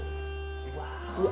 うわ。